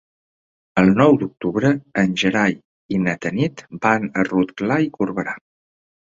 El nou d'octubre en Gerai i na Tanit van a Rotglà i Corberà.